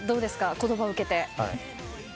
この言葉を受けて。